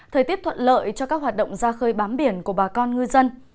thời tiết thuận lợi cho các hoạt động ra khơi bám biển của bà con ngư dân